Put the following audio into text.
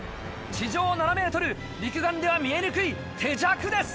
地上７ｍ肉眼では見えにくい手酌です！